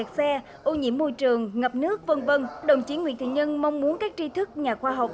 xe ô nhiễm môi trường ngập nước v v đồng chí nguyễn thị nhân mong muốn các tri thức nhà khoa học